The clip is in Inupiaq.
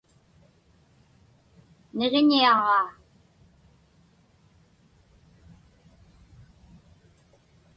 Niġiñiaġaa.